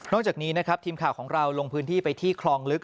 จากนี้นะครับทีมข่าวของเราลงพื้นที่ไปที่คลองลึก